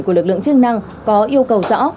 của lực lượng chức năng có yêu cầu rõ